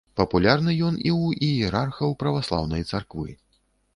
Папулярны ён і ў іерархаў праваслаўнай царквы.